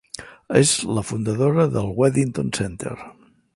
És la fundadora del Weddington Center.